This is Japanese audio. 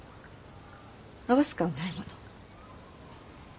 会わす顔ないもの。